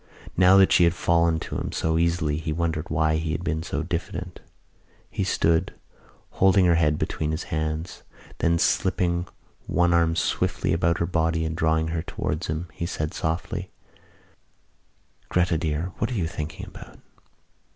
Now that she had fallen to him so easily, he wondered why he had been so diffident. He stood, holding her head between his hands. Then, slipping one arm swiftly about her body and drawing her towards him, he said softly: "Gretta, dear, what are you thinking about?"